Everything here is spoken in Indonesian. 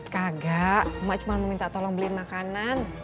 kagak mak cuma mau minta tolong beliin makanan